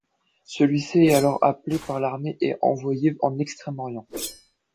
Celui-ci est alors appelé par l'armée et envoyé en Extrême-Orient.